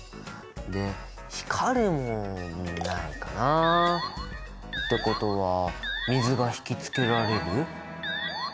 で「光る」もないかな。ってことは「水が引きつけられる」？